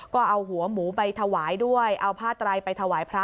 ก็เอาหัวหมูไปถวายด้วยเอาผ้าไตรไปถวายพระ